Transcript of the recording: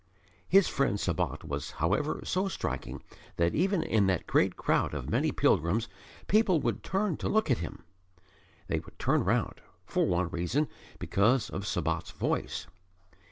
His friend Sabat was, however, so striking that even in that great crowd of many pilgrims people would turn to look at him. They would turn round, for one reason, because of Sabat's voice.